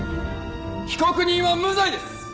被告人は無罪です！